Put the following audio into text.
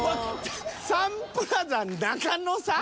「サンプラザ中野さん」？